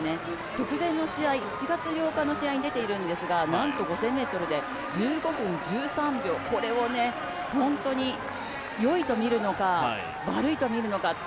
直前の試合、７月８日の試合に出ているんですが、５０００ｍで１５分１３秒、これをよいと見るのか悪いと見るのか